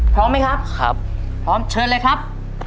พร้อมไหมครับครับพร้อมเชิญเลยครับ